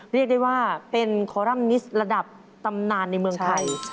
เรียกได้ว่าเป็นคอรัมนิสระดับตำนานในเมืองไทย